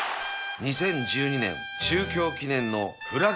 ２０１２年中京記念の